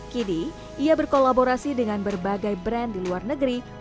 kini ia berkolaborasi dengan berbagai brand di luar negeri